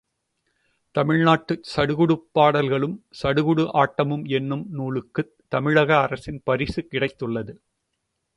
தமிழ்நாட்டுச் சடுகுடுப் பாடல்களும், சடுகுடு ஆட்டமும் என்னும் நூலுக்குத் தமிழக அரசின் பரிசு கிடைத்துள்ளது.